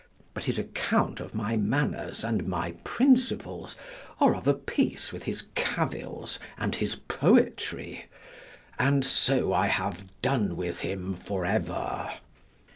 But his account of my manners and my principles are of a piece with his cavils and his poetry; and so I have done with him for ever.